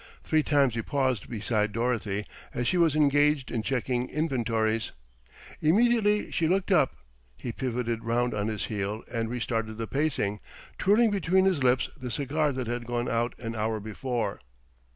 Three times he paused beside Dorothy as she was engaged in checking inventories. Immediately she looked up, he pivoted round on his heel and restarted the pacing, twirling between his lips the cigar that had gone out an hour before.